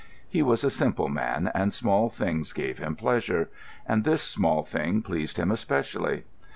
He was a simple man, and small things gave him pleasure; and this small thing pleased him especially.